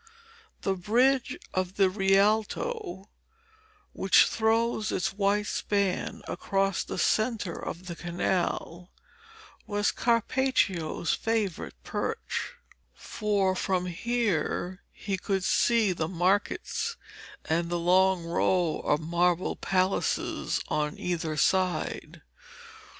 The bridge of the Rialto, which throws its white span across the centre of the canal, was Carpaccio's favourite perch, for from here he could see the markets and the long row of marble palaces on either side.